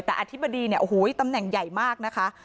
แต่อธิบดีเนี่ยโอ้โหตำแหน่งใหญ่มากนะคะ